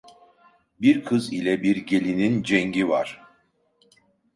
Bir kız ile bir gelinin cengi var.